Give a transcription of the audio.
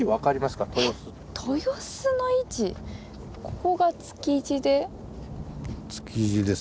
ここが築地で。